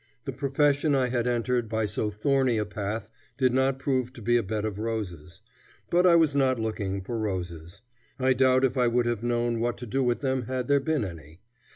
The profession I had entered by so thorny a path did not prove to be a bed of roses. But I was not looking for roses. I doubt if I would have known what to do with them had there been any.